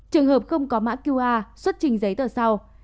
trường hợp không có mã qr xuất trình giấy tờ sau